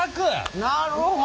なるほど。